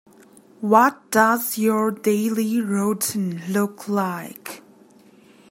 What does your daily routine look like?